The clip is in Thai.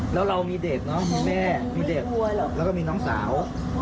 แล้วเรามีเด็กเนอะมีแม่มีเริ่มน้องสาว